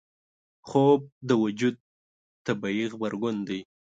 خوب د وجود طبیعي غبرګون دی